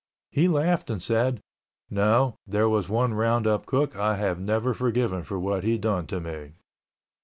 He laughed and said, "No. There was one roundup cook I have never forgiven for what he done to me."